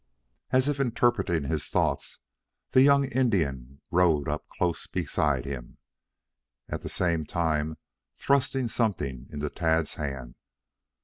As if interpreting his thoughts, the young Indian rode up close beside him, at the same time thrusting something into Tad's hand.